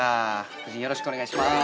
夫人、よろしくお願いします。